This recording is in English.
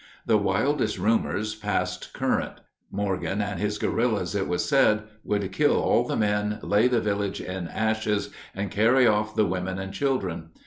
The wildest rumors passed current. Morgan and his "guerrillas," it was said, would kill all the men, lay the village in ashes, and carry off the women and children.